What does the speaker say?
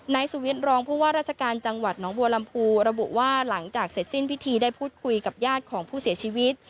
นายสุวิทย์รองผู้ว่าราชการจังหวัดน้องบัวลำพูระบุว่าหลังจากเสร็จสิ้นพิธีได้พูดคุยกับญาติของผู้เสียชีวิต